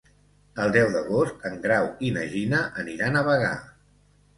El deu d'agost en Grau i na Gina aniran a Bagà.